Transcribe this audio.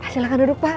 silahkan duduk pak